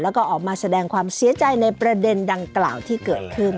แล้วก็ออกมาแสดงความเสียใจในประเด็นดังกล่าวที่เกิดขึ้น